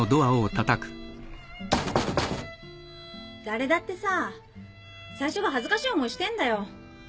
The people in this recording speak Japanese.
誰だってさ最初は恥ずかしい思いしてんだよ。